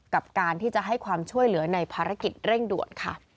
กับการที่จะให้ความช่วยเหลือในภารกิจเร่งด่วนค่ะ